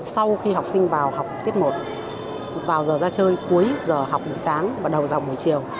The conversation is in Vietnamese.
sau khi học sinh vào học tiết một vào giờ ra chơi cuối giờ học buổi sáng và đầu dòng buổi chiều